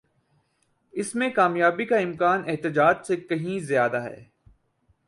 اس میں کامیابی کا امکان احتجاج سے کہیں زیادہ ہے۔